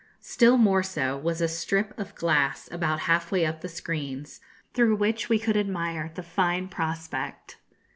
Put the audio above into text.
Still more so was a strip of glass about half way up the screens, through which we could admire the fine prospect.